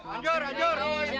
anjur anjur anjur